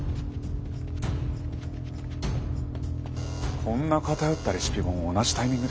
こんな偏ったレシピ本を同じタイミングで？